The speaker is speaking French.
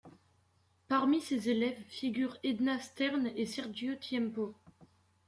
Parmi ses élèves figurent Edna Stern et Sergio Tiempo.